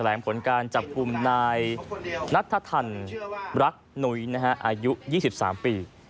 แสลงผลการจับปุ่มนายนัทธันรักหนุยนะฮะอายุ๒๓ปี